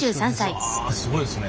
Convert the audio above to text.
いやすごいですね。